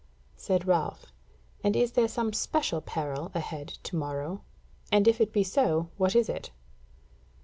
Said Ralph: "And is there some special peril ahead to morrow? And if it be so, what is it?"